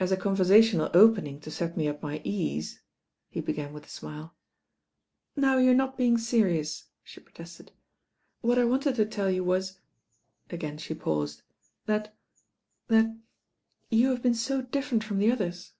"As a conversational opening to set me at my ease " he began with a smile. "Now you are not being serious," she protested. "What I wanted to tell you was " again she paused, "that — that — ^you have been so different from the others."